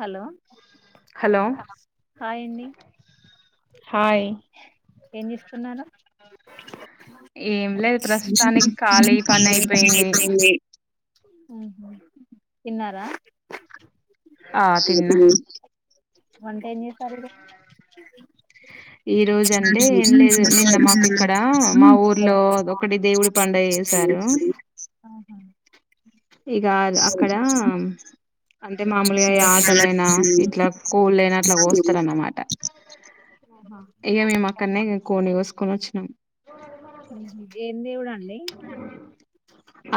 Hello hello hi అండి hi ఏం చేస్తున్నారు ఏం లేదు ప్రస్తుతానికి ఖాళీ [inaudible] పని కాలేజీ అయిపోయింది ఐపోయింది ఊహు తన్నారా ఆ తిన్నా [inaudible] వంటెం చేస్తున్నారీరోజు ఈ రోజు [inaudible] అంటే ఏం లేదు నిన్న మాకు ఇక్కడ మా ఊర్లో ఒకటి దేవుడి పండగ చేసారు [inaudible] ఆహ ఇగ అక్కడా అంటే మామూలుగా ఆటలైనా ఇట్ల పూలైన అట్ల కోస్తారన్నమాట ఆహా ఇగ మేముక్కన్నే కోడిని కోసుకొని వచ్చినం ఊహు ఏందేవుడు అండి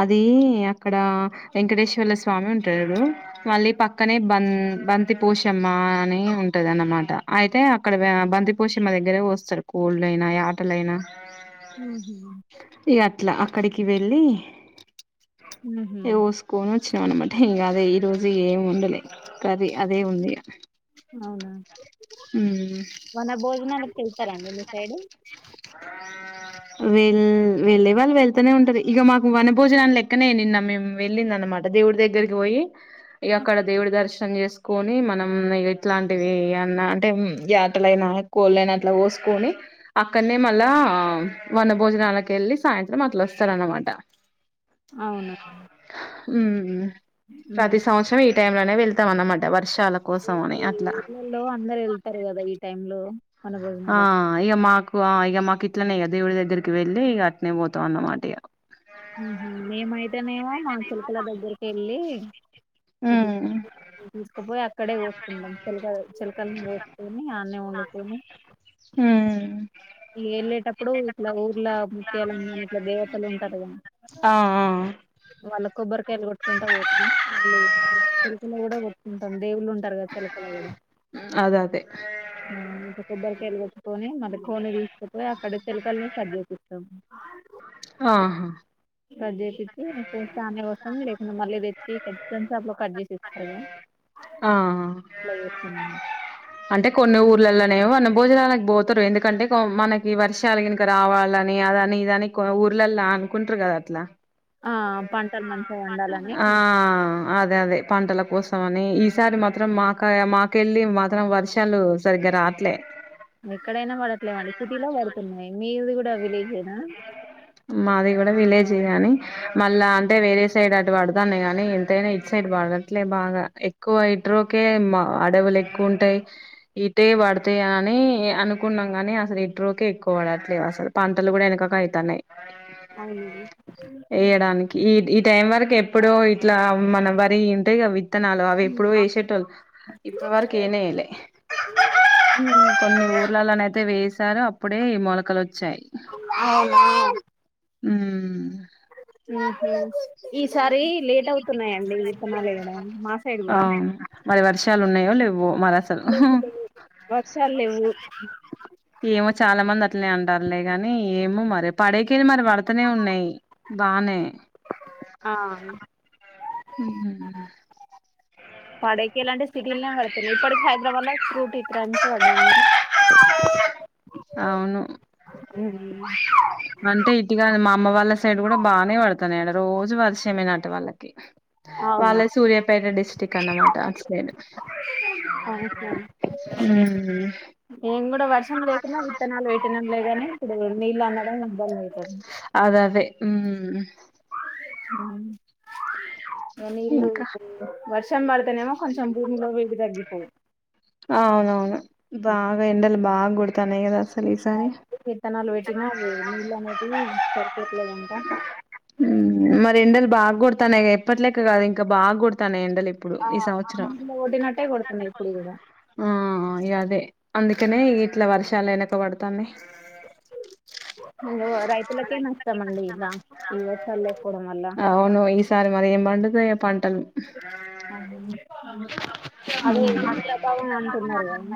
అదీ అక్కడ వెంకటేశ్వర్ల స్వామి ఉంటరు మళ్ళీ పక్కనే బం బంతి పోషమ్మ అని ఉంటది అన్నమాట అయితే అక్కడ బంతిపోషమ్మ దగ్గరే కోస్తరు కోడ్లైనా యాటలైనా ఉహూ ఇగ అట్ల అక్కడికి వెళ్ళి ఊహు ఇగ కోసుకోని వచ్చినాం అన్నమాట ఇంకా అదే ఈ రోజు ఏమి ఉండలే కర్రీ అదే ఉంది అవునా ఉ వన భోజనలుకు ఏళ్తారా అండి మీ సైడ్ వెల్ వెళ్ళే వాళ్ళు వెళ్తనే ఉంటారు ఇగ మాకు వనభోజనం లెక్కనే నిన్న మేము వెళ్ళింది అనమాట దేవుడి దగ్గరికి పోయి ఇగ అక్కడ దేవుడి దర్శనం చేసుకొని మనం ఇట్లాంటివి అన్నా అంటే యాటలైనా కోడిలని అట్ల కోసుకొని అక్కడనే మళ్ళా వన భోజనాలకు వెళ్ళి సాయంత్రం అట్లోస్తారనమాట అవునా ఉ ప్రతి సంవత్సరం ఈ టైంలోనే వెళ్తాంన్నమాట వర్షాలకు కోసం అని అట్ల లో అందరు వెళ్తారు కదా ఈ టైమ్ లో వన ఆ భోజనాలకి ఇక మాకు ఇక మాకు ఇట్లనే ఇక దేవుడి దగ్గరికి వెళ్ళి ఇక అట్నే పోతాం అన్నమాట ఇక మేమైతేనేమో మా చిలుకల దగ్గరికి వెళ్ళి ఇట్లా ఉమ్ తీసుకపోయి అక్కడే కోరుకుంటాం చేలక చెలకల్ని కోసుకొని ఆడనే వండుకొని హు ఇగ వెళ్ళేటప్పుడు ఇట్ల ఊర్ల ముత్యాలమ్మ అనీ ఇట్లా దేవతలు ఉంటారు కద అ ఆ మళ్ల కొబ్బరి కయలు కొట్కుంట పోతే ళ్ళ చెలకల కూడా కొట్టుకుంటాం దేవుళ్ళు ఉంటారు కదా చిలకలో కూడా ఉ అదదే మ ఇంకా కొబ్బరి కాయలు కొట్టుకొని మల్ల ఫోను తీసుకుపోయి అక్కడ చెలకల్ని సర్ చేపిస్తాము ఆహా కట్ చెప్పిచ్చి నేన్ కోస్తానే వస్తాం లేకుంటే మళ్ళీ వెతికి చికెన్ షాప్ లో కట్ చేసి డీప్ ఫ్రై ఆ ఆ అంటే కొన్ని ఊర్లలోనేమో వన భోజనాలకు పోతురు ఎందుకంటే మనకి వర్షాల గని రావాలని అద అని ఇద అని కొన్ని ఊర్లల్లో అనుకుంటారు కదా అట్లా ఆ పంటలు మంచి ఆ అదే అదే పంటల కోసమని ఈసారి మాత్రం మాక మాకెళ్ళి మాత్రం వర్షాలు సరిగ్గా రాట్లే ఎక్కడైనా పడట్లేమండి సిటీలో పడుతున్నాయి మీది కూడా విలేజేనా మాది కూడా విలేజీ గాని మళ్ళా అంటే వేరే సైడ్ అటు పడతాన్నై గాని ఎంతైనా ఇట్ సైడ్ పడద అట్లే బాగా ఎక్కువ ఇట్రో కే మా అడవులు ఎక్కువ ఉంటాయి ఇటే పడతాయి అని అనుకున్నాం కాని అసలు ఇట్రోకే ఎక్కువ పడట్లేదు అసలు పంటలు కూడా వెనకకైతాన్నాయి అవునండి ఈ ఈ టైం వరకు ఎప్పుడో ఇట్లా మన వరి ఉంటాయి గా విత్తనాలో అవి ఎప్పుడివో ఎసేటోళ్ళు ఇప్పుడు వరకు యైనే ఏయ్ ల్లే కొన్ని ఊర్లలోన అయితే వేసారు అప్పుడే ఈ మొలకలు వచ్చాయి అవు ఉ కే ఈసారి లేట్ అవుతున్నాయండి విత్తనాలుయడం మా సైడ్ కూడా అవును మరి వర్షాలు ఉన్నాయో లేవు మరి అసల్ లేవు లేవు వర్షాలు లేవు ఏమో చాలా మంది అట్లే అంటారులే గాని ఏమో మరి పడేకిది మరి పడతనే ఉన్నాయి బానే ఆ మ్ పడేకి ఇలాంటి సిటీలనే పడుతున్నాయి ఇప్పటికి హైదరాబాద్ లో ఫ్రూట్ ఇక్కడంత పడది అవును మ్ అంటే ఇటుగా మా అమ్మ వాళ్ళ సైడ్ కూడా బానే పడతన్నాయి ఆడ రోజు వర్షమేనట వాళ్ళకి అవునా వాళ్ళే సూర్యాపేట డిస్ట్రిక్ట్ అన్నమాట అటు సైడ్ హౌస్ వైఫ్ ఉమ్ నేను కూడా వర్షం లేకున్నా విత్తనాలు పెట్టినంలేగాని ఇప్పుడు నీళ్ళు అందడం ఇబ్బంది అయితాంది అద అదే మ్ మన ఇల్లు ఇంకా ఇప్పుడు వర్షం పడతనేమో కొంచం భూమిలో తగ్గిపోయి అవునవును బాగా ఎండలు బాగా కొడతనాయి కదా అసల్ సలే ఈసారి విత్తనాలు పెట్టినావు నీళ్ళలనేటివి ప్యాకెట్లో దంట మ్ మరి ఎండలు బాగా కొడతాన్నాయి ఎప్పట్లేక్క కాదు ఇంకా బాగా కొడతానాయ్ ఎండలు ఇప్పుడు ఈ సంవత్సరం [unintelligible] లో కొట్టినట్టే కొడుతున్నాయి ఇప్పుడు కూడా ఆ ఇ అదే అందుకనే ఇట్ల వర్షాలు వెనక పడతాయి ఇంగ వా రై ఇలకే నష్టమండి ఇల ఈ వేషాలు లేకపోవడంవల్ల అవును ఈస్ సరే మరి ఏం పండుతాయో పంటలు ఉమ్ అదే ఏమి ప్రతామామ్ అంటున్నారు కదా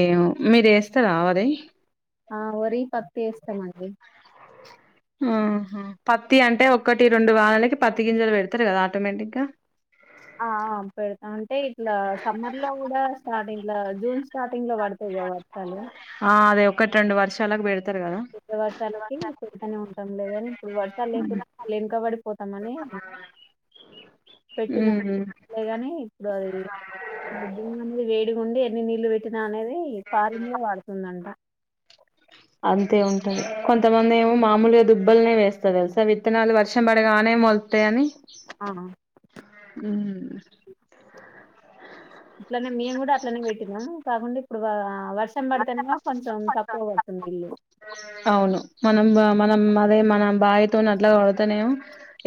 ఏమో మీరు వేస్తారా మరి ఆ వరి పత్తి ఎస్తామండి ఆహ పత్తి అంటే ఒకటి రెండు వనలకి పత్తి గింజలు పెడతారు కదా ఆటోమేటిక్ గా ఆ ఆ పెడతా అంటే ఇట్లా సమ్మర్ లో కూడా స్టార్టింగ్ లో జూన్ స్టార్టింగ్ లో పడ్ ఆ అదే ఒకటి రెండు వర్షలాకు పెడతారు కదా పెద్ద వర్షాలకి పెడతానే ఉంటాం లేదని ఇప్పుడు వర్షాలు [unintelligible] లేకుండా మళ్ళీ వెనకబడిపోతామని ఉ ఊ అంతే గానీ ఇప్పుడు అది [inaudible] వేడిగుండి ఎన్ని నీళ్లు పెట్టి [unintelligible] అనేది పారింగ్ ఏ వాడుతుందంట కొంతమంది ఏమో మామలుగా దుబ్బలనే వేస్తారు తెలుసా విత్తనాలు వర్షం పడగానే మోల్ తాయని ఆ ఉమ్ ఇట్లనే మేము కూడా అట్లనే పెట్టినాము కాకుండా ఇప్పుడు వా వర్షం పడితేనేమో కొంచెం తప్పు అవ్వద్దు. ఉన్నా ఇల్లు అవును మనం మనం అదే మన బావితో అట్లా వాడతనేమో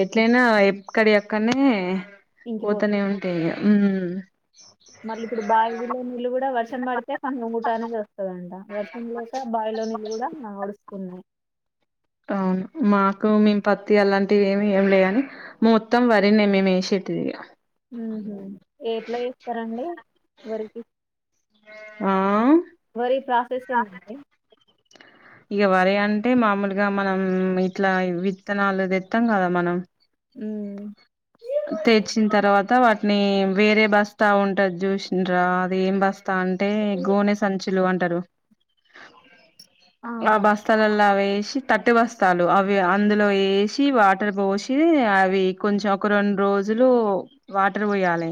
ఎట్లయినా ఎక్కడి అక్కడ నే ఇంకిపోతు పోతూనే ఉంటాయి ఇగ మళ్ళీ ఇప్పుడు బావి లో నీళ్ళు కూడా వర్షం పడితే కొంచెం ముఠా నుంచి వస్తాడంట వర్ష్ తుమ్ లోస బావిలో నీళ్ళు కూడా మన్ డుస్తున్నాయి అవును మాకు మేం పత్తి అలాంటివి ఏమి లేవ్ గానీ మొత్తం వరి నే మేమేస్త్ది ఉహు ఎట్లా ఎస్తారండి వరికి ఆ వరి ప్రాసెస్ ఏందండి ఇక వరి అంటే మామూలుగా మనం ఇట్లా విత్తనాలు తెత్తాం కదా మనం ఉ తెచ్చిన తర్వాత వాటిని వేరే బస్తా ఉంటది చూసిన్రా అది ఏం బస్ స్తా అంటే గోనె సంచులు అంటారు ఆ ఆహా బస్త లలా వేసి తట్టి వస్తాలు అవి అందులో వేసి వాటర్ పోసి అవి వి కొంచెం ఒక రెండు రోజులు వాటర్ పోయాలి.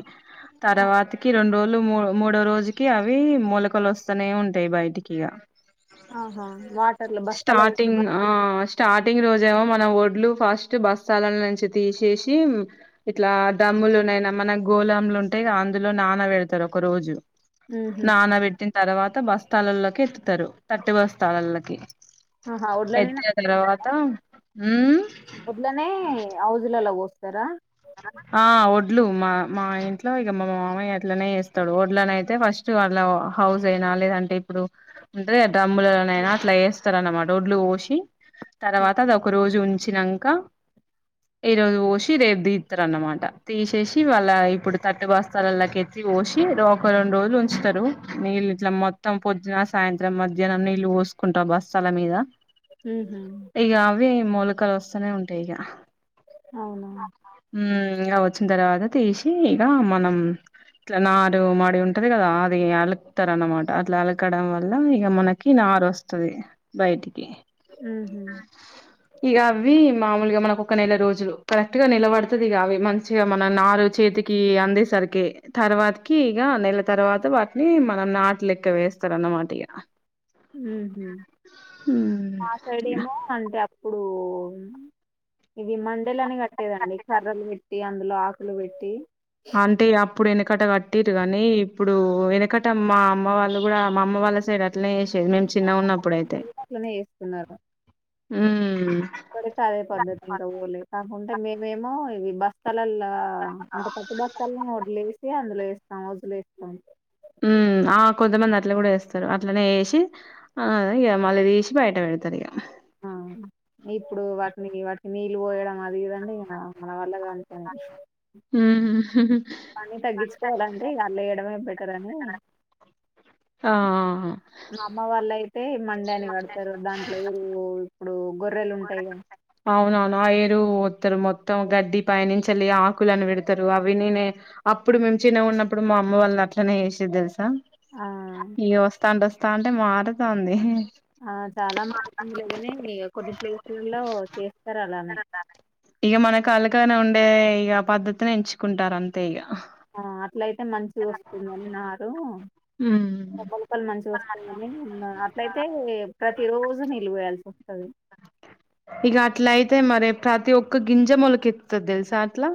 తర్వాతకి రెండు రోజులు మూ మూడో రోజు క అవి మోలకలు వస్తానే ఉంటాయి బయటికి ఇగ ఆహా వాటర్ లో బస్తా లో స్టార్టింగ్ పెట్టి ఆ స్టార్టింగ్ రోజేమో మనం ఒడ్లు ఫస్ట్ బస్తా లో నుంచి తీసేసి ఇట్లా డమ్ములునయినా మన గోలాములు ఉంటే అందులో నాన పెడతారు ఒక రోజు ఉహు నానబెట్టిన తర్వాత బస్తాలలోకి ఎత్తుతారు తట్టి బస్తాల్లోకి ఆహా ఒడ్లనేనా ఎత్తే తర్వాత ఊ ఇట్లనే ఔజులలో పోస్తారా ఆ ఒడ్లు మా మా ఇంట్లో ఇక మా మామయ అట్లనే చేస్తాడు ఒడ్లనయితే ఫస్ట్ వాళ్ళ హౌజ అయినా లేదంటే ఇప్పుడు అంటే డ్రమ్ములులనయినా అట్లా వేస్తారన్నమాట ఒడ్లు పోసి తర్వాత అది ఒకరోజు ఉంచినంకా ఈరోజు పోసి రేపు దీత్ త్తరన్నమాట తీసేసి వాళ్ళ ఇప్పుడు తట్టు బస్తాలళ్లకి ఎత్తి పోసి ఎదో ఒక రెండు రోజులు ఉంచుతరు నీళ్ళు ఇట్ల మొత్తం పొద్దున సాయంత్రం మధ్యాహ్నం నీళ్ళు పోసుకుంటా ఆ బస్తాల మీద ఉమ్ హ్ ఇగ అవ్వే మొలకలు వస్తనే ఉంటయి ఇగ అవునా ఉమ్ ఇగ వచ్చిన్తర్వాత తీసి ఇగా మనం ఇట్ల నారు మడి ఉంటది గదా అదీ అలుక్తరన్నమాట అట్ల అలకడం వల్ల ఇగ మనకి నారు వస్ త్తది బయటికి ఉమ్ హ్ ఇగవ్వి మామూలుగ మనకు ఒక నెల రోజులు కరెక్ట్ గా నెల బడుత్ త్తదిగా అవి మంచిగ మన నారు చేతికి అందేసరికే తర్వాతకి ఇగ నెల తర్వాత వాటిని మనం నాట్ లెక్క వేస్తారన్నమాటిగ ఉమ్ హ్ హ్మ్. మాసైడేమో అంటే అప్పుడూ ఇది మండలని గట్ కట్టేదండి కర్రలు పెట్టి అందులో ఆకులు పెట్టి అంటే ఇగప్పుడు ఎనకట కట్టిర్రు గనీ ఇప్పుడు వెనకట మా అమ్మ వాళ్ళు గూడ మా అమ్మ వాళ్ళ సైడ్ అట్ ట్నే చేసేది మేము చిన్నగున్నప్పుడైతే అట్లనే చేస్తున్నారు ఉమ్ ఇప్పడికి అదే పద్దతి ఇంకా పోలే కాకుంటే మేమేమో ఇవి బస్తలల్ల ఆ అంటే పత్తి బస్తాల్లనే వడ్లేసి అందులో ఏస్తాం హౌజులేస్తాం ఉమ్ ఆ కొంతమంది అట్ల కూడ ఏస్తరు అట్లనే ఏసి ఆదే ఇగ మల్ల దీషి బయట బేడతరిగ ఆ ఇప్పుడు వాటిని ని వాటికి నీళ్ళు పోయడం అదీ ఇదంటే ఇగ నా మన వల్ల కాని పని ఉమ్ హ్ పని తగ్గిచ్చుకోవాలంటె అట్ల చేయడమే బెటర్ అని ఆ ఆ అ మ్మ వాళ్ళయితే మండని గడతరు దాంట్లో ఊరూ ఇప్పుడు గొర్రెలు ఉంటయి గద అవునవును ఆ ఎరువు పోత్తరు మొత్తం గడ్డి పయినుంచెలి ఆకులను పెడతరు అవి నేనే అప్పుడు మేము చిన్నగున్నప్పుడు మా అమ్మ వాళ్ళు అట్లనే చేసేది దెల్స్ స ఆ ఇగ వస్తాంటోస్థాంటే మారుతాంది ఆ చాలా మారుతుంది లేగనీ ఇగ కొన్ని ప్లేసులల్లో చేస్తరలానే ఇగ మనకలగనే ఉండే ఇగ పద్ధతినే ఎంచుకుంటారంతే ఇగ ఆ అట్లయితే మంచిగొస్తుందని నారు ఉమ్ లోపల మంచిగొస్తుందని ఇంగ అట్లయితే ప్రతి రోజు నీళ్లు పోయాల్సోస్తది ఇగ అట్లయితే మరి ప్రతి ఒక్క గింజ మొలకెత్తుతది దెల్సా అట్లా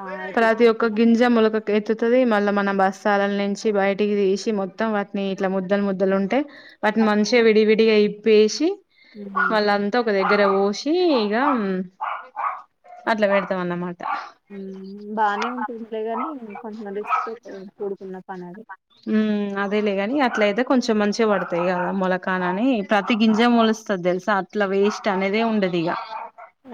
ఆ అయితే ప్రతి ఒక్ ఒక్క గింజ మొలకక్ ఎత్తుతది మళ్ళ మనం బస్తాలల్ నించి బయటికి తీసి మొత్తం వాట్ ని ఇట్ల ముద్దలు ముద్దలు ఉంటే వాటిని మంచిగ విడివిడిగా ఇప్పేసి వాళ్ళన్ త ఒక దగ్గర పోషి ఇగ అట్ల పెడతమన్నమాట్ ఉమ్ బానే ఉంటుందిలేగని కొంచం రిస్క్ తో కు కూడుకున్న పనది ఉమ్ అదేలేగని అట్లయితే కొంచెం మంచిగ పడతయి గదా మొలకనని ప్రతి గింజ మొలుస్ స్తది దెల్సా అట్లా వేస్ట్ అనేదే ఉండదిగ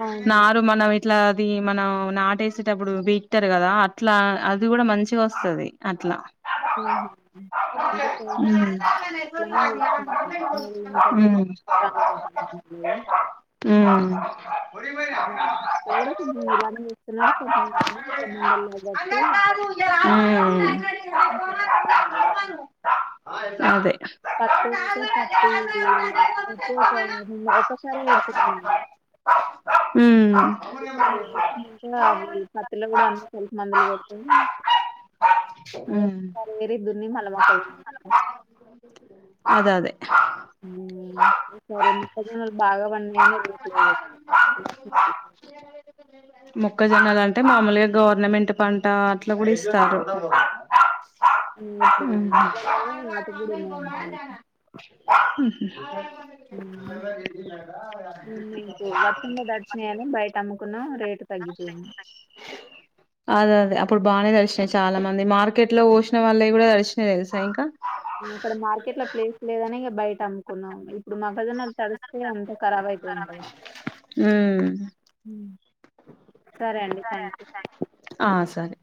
అవును నారు మనం ఎట్ అట్ల అది మనం నాటేసేటప్పుడు పీక్తరు పెట్టారు కదా అట్లా అది గూడ మంచిగొస్తది అట్ల [unintelligible] అందుకోసం అట్లనే ఉ చేస్తున్నాను మరి ఇంకా రానున్నారు ఉ ఉ ఆ అక్కడ కూడా కొంచం నిదానంగా ఇస్తున్నారా కొంచం మోసం ఉండాల కాబటి ఉ ఉ బాప అదే పతు అయితే పతు పతు తో ఒక ఒసారే ఏరుకుందాం లే ఉ విత్తనాలు కోటినక అవి పత్తిలో కూడా అనీ కలుపు మందులు కొడతయి ఉ వేరీ దున్ని మల్ల మొక్క పొయితాయి అదే అదే ఉ ఈసారి మొక్కజొన్నలు బాగా పండినాయి అని రేటు లేవు [unintelligible] [inaudible] మొక్కజొన్నలు అంటే మామూలుగా గవర్నమెంట్ పంట అట్లా కూడా ఇస్తారు ఇప్పుడు ఇట్లా లేవో వాటికి కూడా ఉ ఉన్నాయండి ఉహు [inaudible] [inaudible] నేను బయట అమ్ముకున్నా రేటు ఆ తగ్గిపోయింది [inaudible] అదే అదే అప్పుడు బాగానే దడిచినాయి చాలా మంది మార్కెట్ లో పోసిన వాళ్ళవి కూడా దడిచినాయి తెలుసా ఇంకా ఉ ఇక్కడ మార్కెట్ లో ప్లేస్ లేదని ఇగ బయట అమ్ముకున్నాము ఇప్పుడు మాక్కజొన్నల్ తడుస్తే అంత ఖరాబ్ అయిపోయింటాయి ఉ ఉ సరే అండి థ్యాంక్ యూ ఆ సరే